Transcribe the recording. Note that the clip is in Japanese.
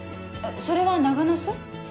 それは長ナス？